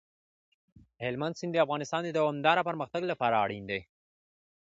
هلمند سیند د افغانستان د دوامداره پرمختګ لپاره اړین دی.